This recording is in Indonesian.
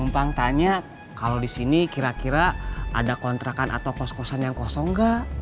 bang tanya kalau disini kira kira ada kontrakan atau kos kosan yang kosong gak